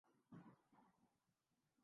داماد رسول اور جامع قرآن تھے